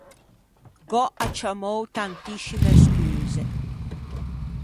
Gh’ò acciammou tantiscime scuse.